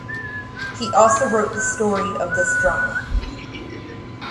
He also wrote the story of this drama.